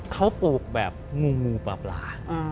เขาปลูกแบบงูปลา